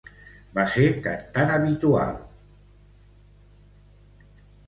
Va ser cantant habitual a les temporades del Teatro Real de Madrid.